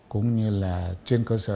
cũng như là trên cơ sở